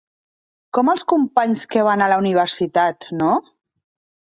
Com els companys que van a la universitat, no?